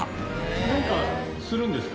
なんかするんですか？